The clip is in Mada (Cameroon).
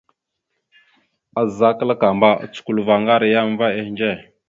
Azza kǝlakamba, ocǝkulvurro ngar a yam va ehindze.